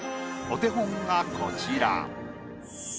お手本がこちら。